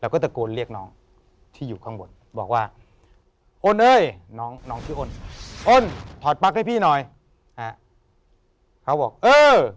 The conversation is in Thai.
แล้วก็ตะโกนเรียกน้องมาบอกว่าโอนเอ้ยน้องพี่โอนถอดปลาให้พี่หน่อยเขาบอกเออ